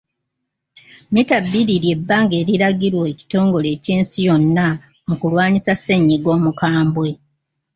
Mmita bbiri ly'ebbanga eriragirwa ekitongole ky'ensi yonna mu kulwanyisa ssennyiga omukambwe.